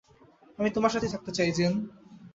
আমি তোমার সাথে থাকতে চাই, জেন।